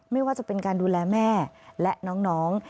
ไม่ว่าจะเป็นการดูแลแม่และน้อง